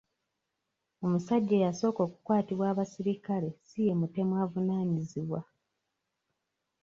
Omusajja eyasooka okukwatibwa abaserikale si ye mutemu avunaanyizibwa.